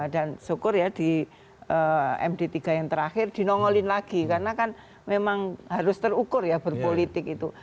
dan syukur ya di md tiga yang terakhir dinongolin lagi karena kan memang harus terukur ya berpolitik itu